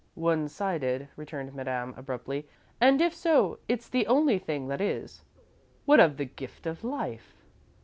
"One sided," returned Madame, abruptly. "And, if so, it's the only thing that is. What of the gift of life?"